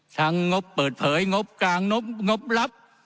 งบเปิดเผยงบกลางงบรับ